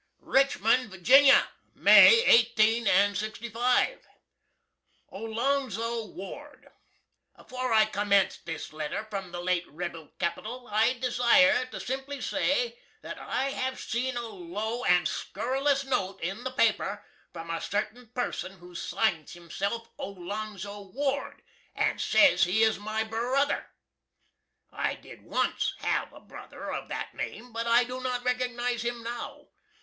Richmond, Va. May, 18 & 65. OLONZO WARD. Afore I comments this letter from the late rebil capitol I desire to cimply say that I hav seen a low and skurrilus noat in the paper from a certin purson who singes hisself Olonzo Ward, & sez he is my berruther. I did ONCE hav a berruther of that name, but I do not recugnize him now.